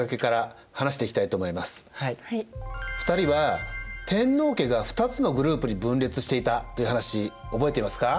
２人は天皇家が二つのグループに分裂していたという話覚えていますか？